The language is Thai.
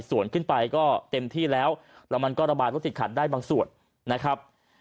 ส่วนขึ้นไปก็เต็มที่แล้วแล้วมันก็ระบายรถติดขัดได้บางส่วนนะครับ